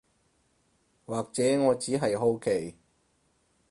或者我只係好奇